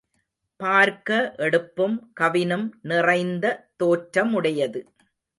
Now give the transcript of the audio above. பார்க்க எடுப்பும் கவினும் நிறைந்த தோற்றமுடையது.